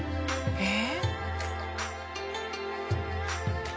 えっ！？